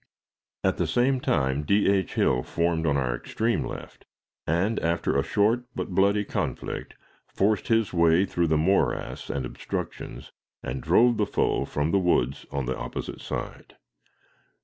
At the same time, D. H. Hill formed on our extreme left, and, after a short but bloody conflict, forced his way through the morass and obstructions, and drove the foe from the woods on the opposite side.